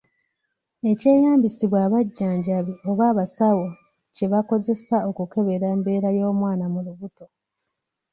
Ekyeyambisibwa abajjanjabi oba abasawo kye bakozesa okukebera embeera y'omwana mu lubuto.